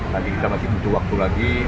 nanti kita masih butuh waktu lagi